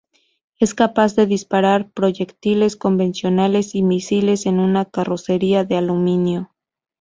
Es capaz de disparar proyectiles convencionales y misiles en una carrocería de aluminio.